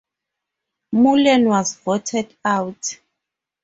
Mullen was voted out.